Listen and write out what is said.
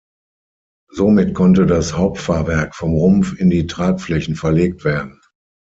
Somit konnte das Hauptfahrwerk vom Rumpf in die Tragflächen verlegt werden.